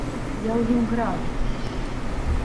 Я ў ім грала.